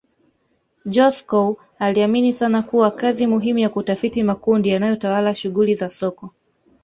Joskow aliamini sana kuwa kazi muhimu ya kutafiti makundi yanayotawala shughuli za soko